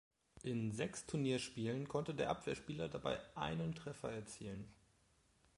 In sechs Turnierspielen konnte der Abwehrspieler dabei einen Treffer erzielen.